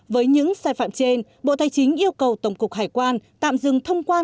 với những sai phạm trên bộ tài chính yêu cầu tổng cục hải quan tạm dừng thông quan